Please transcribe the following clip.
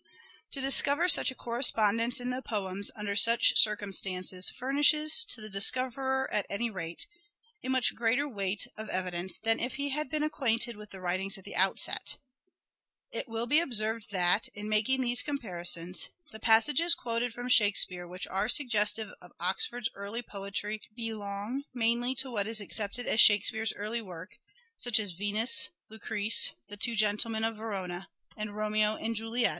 To discover such a correspondence in the poems under such circumstances furnishes, to the discoverer at any rate, a much greater weight of evidence than if he had been acquainted with the writings at the outset. It will be observed that, in making these comparisons, the passages quoted from Shakespeare which are suggestive of Oxford's early poetry belong mainly to what is accepted as Shake speare's early work, such as " Venus," " Lucrece," " The Two Gentlemen of Verona," and " Romeo and Juliet."